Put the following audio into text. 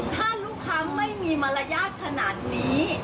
ถ้าลูกค้าไม่มีมารยาทขนาดนี้